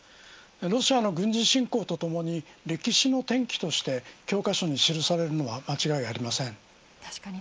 ロシアの軍事侵攻とともに歴史の転機として教科書に記されるのは間違いありません。